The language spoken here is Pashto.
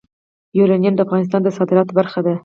یورانیم د افغانستان د صادراتو برخه ده.